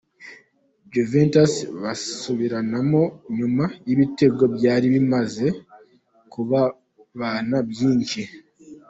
Juventus basubiranamo nyuma y'ibitego byari bimaze kubabana byinshi.